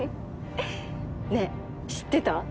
ねえ知ってた？